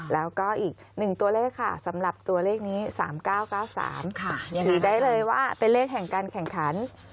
แล้วก็อีก๑ตัวเลขค่ะสำหรับตัวเลขนี้๓๙๙๓ยังถือได้เลยว่าเป็นเลขแห่งการแข่งขัน